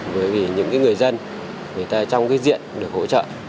bởi vì những người dân người ta trong cái diện được hỗ trợ